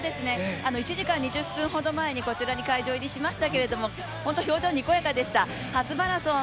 １時間２０分ほど前に会場入りしましたけれども本当に表情はにこやかでした初マラソン、